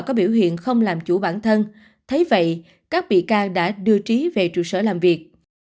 có biểu hiện không làm chủ bản thân thấy vậy các bị can đã đưa trí về trụ sở làm việc